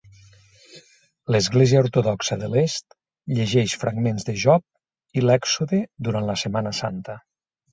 L"Església ortodoxa de l"est llegeix fragments de Job i l"Èxode durant la Setmana Santa.